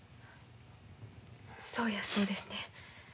そうやそうですね。